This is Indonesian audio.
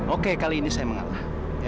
oke kali ini saya mengalah